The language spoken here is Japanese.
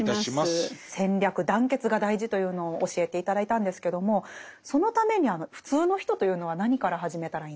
戦略団結が大事というのを教えて頂いたんですけどもそのために普通の人というのは何から始めたらいいんですか？